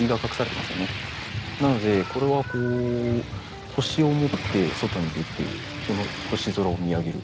なのでこれは星を持って外に出てその星空を見上げる。